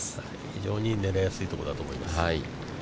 非常にいい、狙いやすいところだと思います。